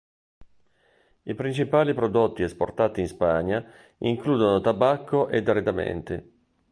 I principali prodotti esportati in Spagna includono tabacco ed arredamenti.